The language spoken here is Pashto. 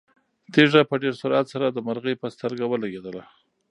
تیږه په ډېر سرعت سره د مرغۍ په سترګه ولګېده.